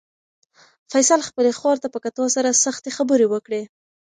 فیصل خپلې خور ته په کتو سره سختې خبرې وکړې.